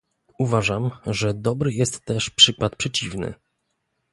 Uważam, że dobry jest też przykład przeciwny